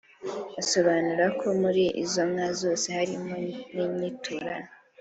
Asobanura ko muri izo nka zose harimo n’inyiturano